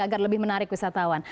agar lebih menarik wisatawan